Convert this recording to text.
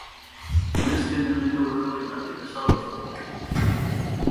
Nesken ehuneko berrogeita bi desados daude.